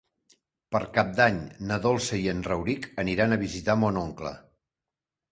Per Cap d'Any na Dolça i en Rauric aniran a visitar mon oncle.